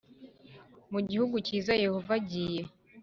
mu gihugu cyiza Yehova agiye